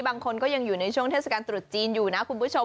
บางคนก็ยังอยู่ในช่วงเทศกาลตรุษจีนอยู่นะคุณผู้ชม